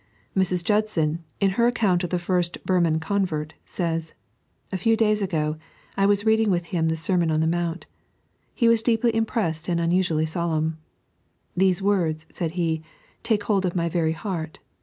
Mi:s. Judson, in her account of the first Burman convert, says :" A few days ago, I was reading with him the Sermon on the Mount. He was deeply impressed and unusually solemn. ' These words,' said he, ' take hold of my very heart.